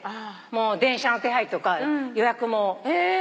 電車の手配とか予約も。